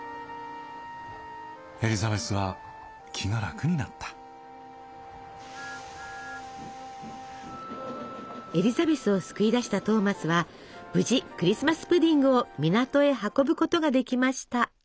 エリザベスは気が楽になったエリザベスを救い出したトーマスは無事クリスマス・プディングを港へ運ぶことができました。